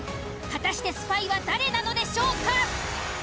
果たしてスパイは誰なのでしょうか？